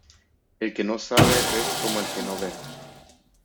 El que no sabe es como el que no ve.